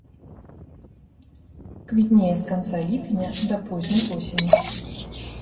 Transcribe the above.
Квітнее з канца ліпеня да позняй восені.